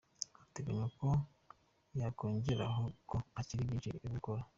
Kantengwa kandi yongeyeho ko hakiri byinshi byo gukora.